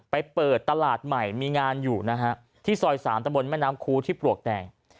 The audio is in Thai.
ไปเปิดตลาดใหม่มีงานอยู่นะฮะที่ซอย๓ตะบนแม่น้ำคูที่ปลวกแดง